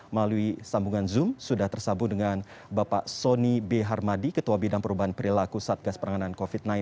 melalui sambungan zoom sudah tersambung dengan bapak soni b harmadi ketua bidang perubahan perilaku satgas penanganan covid sembilan belas